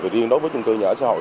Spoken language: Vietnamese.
riêng đối với trung cư nhà ở xã hội